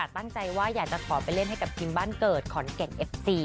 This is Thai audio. ตั้งใจว่าอยากจะขอไปเล่นให้ที่กลุ่มบรรเกิดขอนเกะเอฟซี